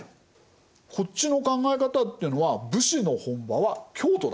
こっちの考え方っていうのは武士の本場は京都だ。